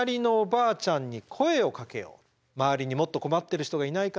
そして周りにもっと困ってる人がいないかな？